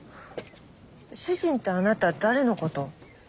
主人ってあなた誰のことを？